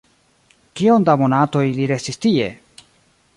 Kiom da monatoj li restis tie?